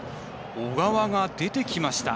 小川が出てきました。